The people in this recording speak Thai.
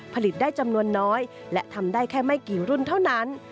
ผลิตได้จำนวนน้อยและทำได้แค่ไม่กี่รุ่นเท่านั้น